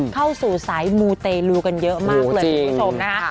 เข้าสู่สายมูเตลูกันเยอะมากเลยคุณผู้ชมนะคะ